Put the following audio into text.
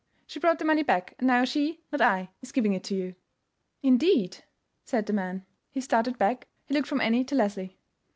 She brought the money back, and now she, not I, is giving it to you." "Indeed!" said the man. He started back. He looked from Annie to Leslie.